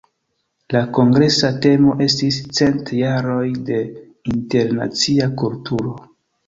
La kongresa temo estis "Cent jaroj de internacia kulturo".